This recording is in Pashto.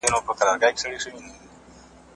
ایا تاسي د لوبې ټکټونه اخیستي دي؟